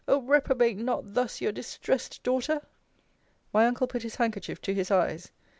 Oh! reprobate not thus your distressed daughter! My uncle put his handkerchief to his eyes. Mr.